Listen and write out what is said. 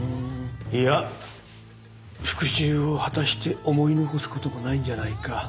いや復讐を果たして思い残すこともないんじゃないか。